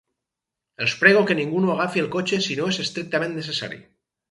Els prego que ningú no agafi el cotxe si no és estrictament necessari.